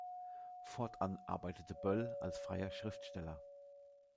Fortan arbeitete Böll als freier Schriftsteller.